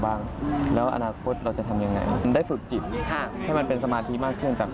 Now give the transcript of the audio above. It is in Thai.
ว่าซึ่งที่ผ่านมาในชีวิตเนี่ยมันมีอะไรผ่านมา